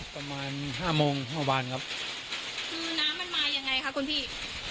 ประมาณห้าโมงห้าวันครับคือน้ำมันมายังไงคะคุณพี่